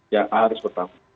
yang harus bertanggung